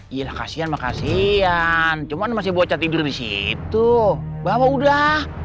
iya lah kasian mah kasian cuma masih bocah tidur di situ bawa udah